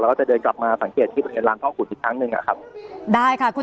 แล้วก็จะเดินกลับมาสังเกตที่บริเวณลังเทาขุดอีกทั้งหนึ่ง